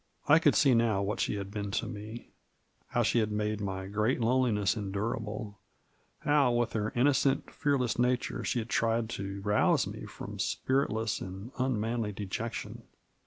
I could see now what she had been to me ; how she had made my great loneliness endurable ; how, with her innocent, fearless nature, she had tried to rouse me from spiritless and unmanly dejection.